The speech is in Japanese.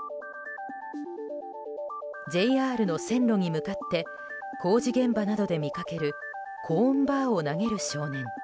ＪＲの線路に向かって工事現場などで見かけるコーンバーを投げる少年。